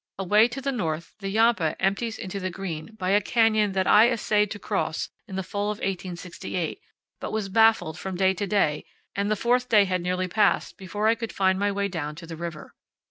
Away to the north the Yampa empties into the Green by a canyon that I essayed to cross in the fall of 1868, but was baffled from day to day, and the fourth day had nearly passed before I could find my way down to the river.